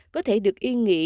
có thể được yên nghỉ